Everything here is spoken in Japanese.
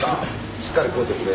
しっかり食うてくれ。